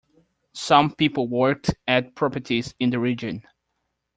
Some people worked at properties in the region.